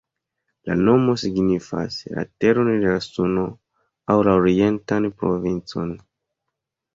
La nomo signifas "la teron de la Suno" aŭ "la orientan provincon.